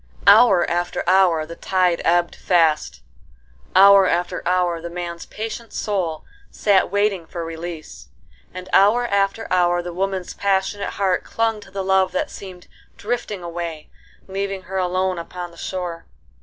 Hour after hour the tide ebbed fast, hour after hour the man's patient soul sat waiting for release, and hour after hour the woman's passionate heart clung to the love that seemed drifting away leaving her alone upon the shore.